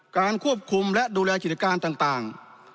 การควบคุมและดูแลกิจการต่าง